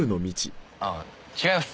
ああ違います。